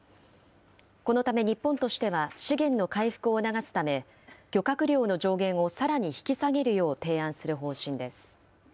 このため日本としては、資源の回復を促すため、漁獲量の上限をさらに引き下げるよう提案する方針です。